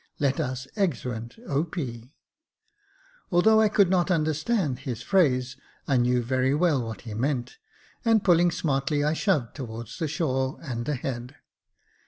Let us exeunt, O.P." Although I could not understand his phrases, I knew very well what he meant, and pulling smartly, I shoved towards the shore, and ahead.